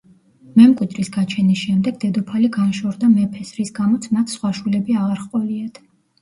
მემკვიდრის გაჩენის შემდეგ დედოფალი განშორდა მეფეს, რის გამოც მათ სხვა შვილები აღარ ჰყოლიათ.